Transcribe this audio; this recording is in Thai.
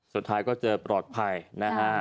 สุดท้ายก็เจอปลอดภัยนะฮะ